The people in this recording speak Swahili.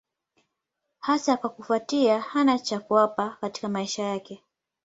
Hasa kwa kufuatia hana cha kuwapa katika maisha yake.